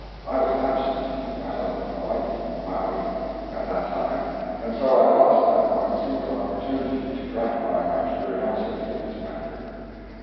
I was absent—on the island of Hawaii [Maui]—at that time, and so I lost that one single opportunity to gratify my curiosity in this matter.